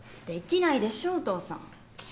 できないでしょお父さん。